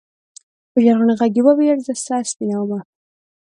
په ژړغوني ږغ يې ويل زه سر سپينومه.